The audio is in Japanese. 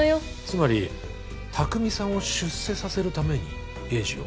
つまり拓未さんを出世させるために栄治を？